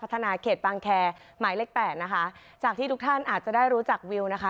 เขตบางแคร์หมายเลขแปดนะคะจากที่ทุกท่านอาจจะได้รู้จักวิวนะคะ